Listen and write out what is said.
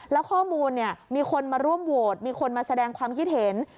แล้วข้อมูลมีคนมาร่วมโหวตมีคนมาแสดงความคิดเห็น